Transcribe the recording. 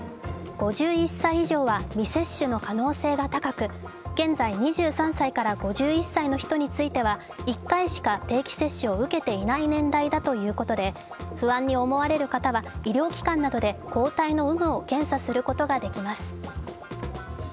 ５１歳以上は未接種の可能性が高く、現在、２３歳から５１歳の人については１回しか受けていない年代だということで、不安に思われる方は医療機関などで抗体の有無を検査することができます。